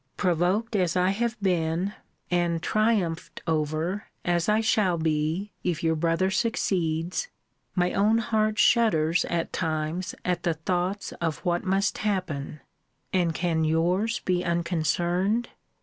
Provoked as I have been, and triumphed over as I shall be, if your brother succeeds, my own heart shudders, at times, at the thoughts of what must happen: And can yours be unconcerned?